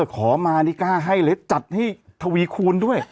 ขอมานี่กล้าให้เลยจัดให้ทวีคูณด้วย